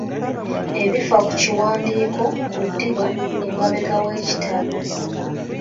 Ebifa ku kiwandiiko ku ddiba emabega w’ekitabo.